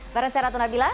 bersama saya ratu nabila